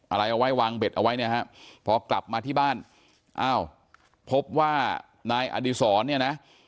อะไรเอาไว้วางเบ็ดเอาไว้เนี่ยฮะพอกลับมาที่บ้านอ้าวพบว่านายอดีศรเนี่ยนะ